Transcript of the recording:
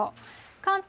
関東